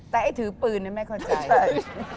แต่ไอ้ถือปืนเนี่ยไม่เข้าใจ